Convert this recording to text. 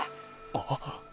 あっ。